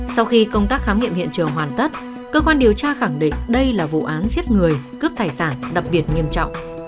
sau khi công tác khám nghiệm hiện trường hoàn tất cơ quan điều tra khẳng định đây là vụ án giết người cướp tài sản đặc biệt nghiêm trọng